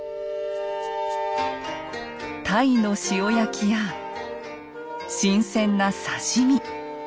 タイの塩焼きや新鮮な刺身。